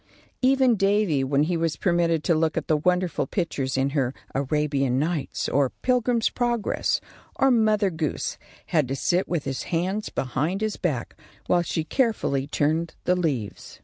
Even Davy, when he was permitted to look at the wonderful pictures in her "Arabian Nights," or "Pilgrim's Progress," or "Mother Goose," had to sit with his hands behind his back while she carefully turned the leaves.